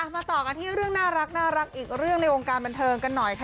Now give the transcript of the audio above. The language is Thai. มาต่อกันที่เรื่องน่ารักอีกเรื่องในวงการบันเทิงกันหน่อยค่ะ